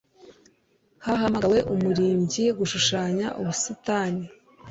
Hahamagawe umurimyi gushushanya ubusitani.